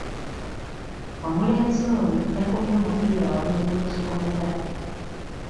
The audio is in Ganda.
Omulenzi oyo yakubye omupiira wabweru w'ekikomera.